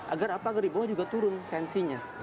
agar apa agar di bawah juga turun tensinya